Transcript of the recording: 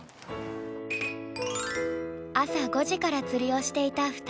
朝５時から釣りをしていた２人。